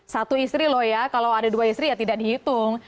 satu istri loh ya kalau ada dua istri ya tidak dihitung